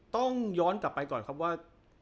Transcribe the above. ต้องย้อนกลับไปก่อนครับว่า